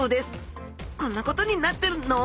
こんなことになってるのう？